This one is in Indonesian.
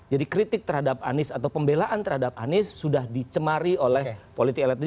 jadi kritik terhadap anies atau pembelaan terhadap anies sudah dicemari oleh politik elektoral